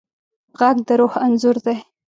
غږ د روح انځور دی